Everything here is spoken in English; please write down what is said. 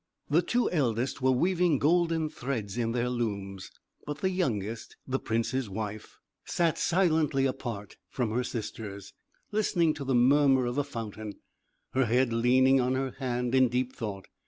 The two eldest were weaving golden threads in their looms; but the youngest, the prince's wife, sat silently apart from her sisters, listening to the murmur of a fountain, her head leaning on her hand, in deep thought.